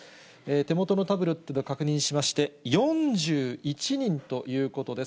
手元のタブレットで確認しまして、４１人ということです。